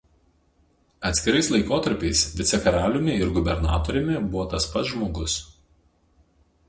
Atskirais laikotarpiais vicekaraliumi ir gubernatoriumi buvo tas pats žmogus.